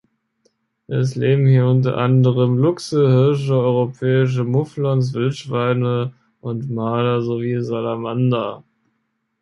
Es leben hier unter anderem Luchse, Hirsche, Europäische Mufflons, Wildschweine und Marder sowie Salamander.